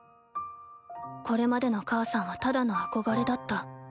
これまでの母さんはただの憧れだった。